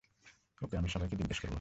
ওকে, আমি সবাইকে জিজ্ঞেস করব।